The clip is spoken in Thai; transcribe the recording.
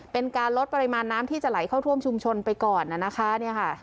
เป็นการลดปริมาณน้ำที่จะไหลเข้าท่วมชุมชนไปก่อนนะคะเนี่ยค่ะ